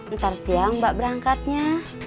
ntar siang mbak berangkatnya